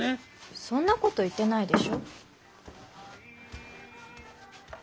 そんなこと言ってないでしょ。